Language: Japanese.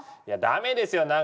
いや駄目ですよ